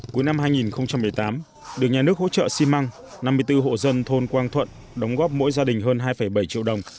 cuối năm hai nghìn một mươi tám được nhà nước hỗ trợ xi măng năm mươi bốn hộ dân thôn quang thuận đóng góp mỗi gia đình hơn hai bảy triệu đồng